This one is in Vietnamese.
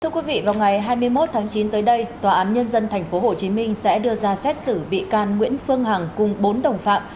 thưa quý vị vào ngày hai mươi một tháng chín tới đây tòa án nhân dân tp hcm sẽ đưa ra xét xử bị can nguyễn phương hằng cùng bốn đồng phạm